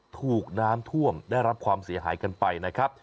ถูกน้ำท่วมได้รับความเสียหายกันไปนะครับ